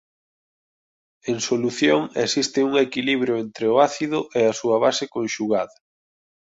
En solución existe un equilibrio entre o ácido e a súa base conxugada.